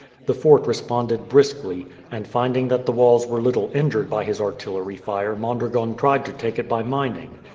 The fort responded briskly, and finding that the walls were little injured by his artillery fire Mondragon tried to take it by mining.